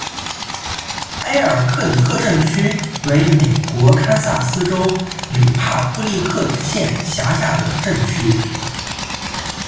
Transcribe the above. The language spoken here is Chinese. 埃尔克里克镇区为美国堪萨斯州里帕布利克县辖下的镇区。